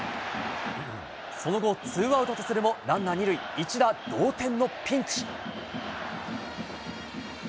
その後、ツーアウトとするも、ランナー２塁、一打同点のピンチ。